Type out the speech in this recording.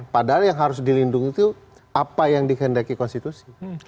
padahal yang harus dilindungi itu apa yang dikehendaki konstitusi